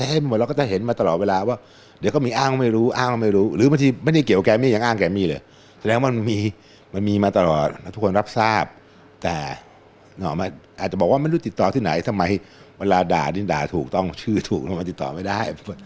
อาจจะบอกว่าไม่รู้ติดต่อที่ไหนทำไมเวลาด่าดินด่าถูกต้องชื่อถูกทำไมติดต่อไม่ได้